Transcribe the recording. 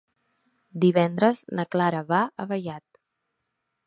Divendres na Clara va a Vallat.